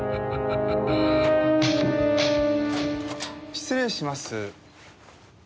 失礼します。